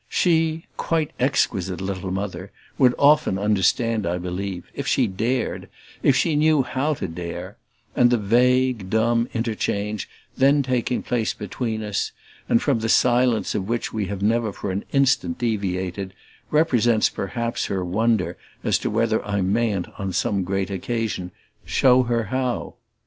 She, quite exquisite little Mother, would often understand, I believe, if she dared, if she knew how to dare; and the vague, dumb interchange then taking place between us, and from the silence of which we have never for an instant deviated, represents perhaps her wonder as to whether I mayn't on some great occasion show her how.